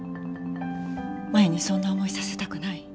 マヤにそんな思いさせたくない。